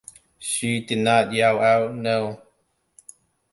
She did not yell out — no!